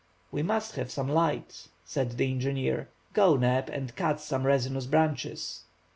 "We must have some light," said the engineer. "Go, Neb, and cut some resinous branches."